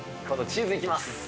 このチーズいきます。